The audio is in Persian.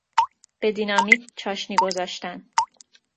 به دینامیت چاشنی گذاشتن